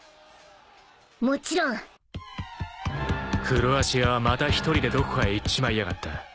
［黒足屋はまた１人でどこかへ行っちまいやがった］